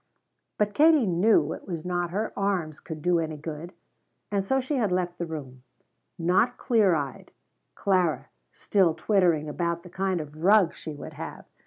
But Katie knew it was not her arms could do any good, and so she had left the room, not clear eyed, Clara still twittering about the kind of rug she would have.